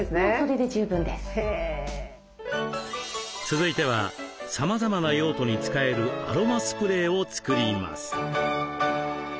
続いてはさまざまな用途に使えるアロマスプレーを作ります。